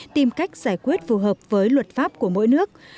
tìm cách giải quyết phù hợp với luật pháp của mỗi nước